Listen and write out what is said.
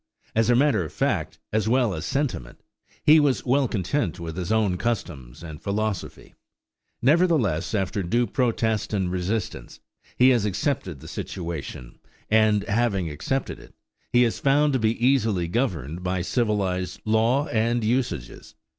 As a matter of fact as well as sentiment, he was well content with his own customs and philosophy. Nevertheless, after due protest and resistance, he has accepted the situation; and, having accepted it, he is found to be easily governed by civilized law and usages.